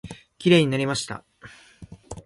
きれいになりました。